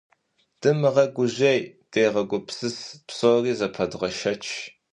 Думыгъэгужьей, дегъэгупсыс, псори зэпэдгъэшэч.